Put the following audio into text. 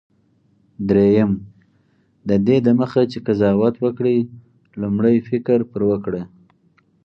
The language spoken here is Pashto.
دریم: ددې دمخه چي قضاوت وکړې، لومړی فکر پر وکړه.